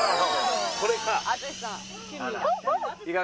これか。